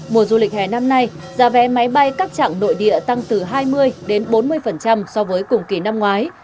mùa du lịch hè năm nay giá vé máy bay các trạng nội địa tăng từ hai mươi đến bốn mươi so với cùng kỳ năm ngoái